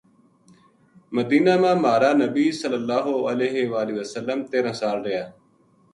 مدینہ ما مہار نبی ﷺ تیرا سال رہیا۔